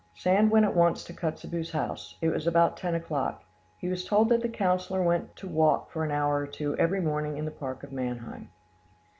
] Sand went at once to Kotzebue's house: it was about ten o'clock; he was told that the councillor went to walk for an hour or two every morning in the park of Mannheim.